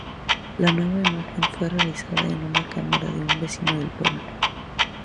La nueva imagen fue realizada en una cámara de un vecino del pueblo.